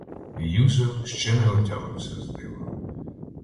Юзьо ще не отямився з дива.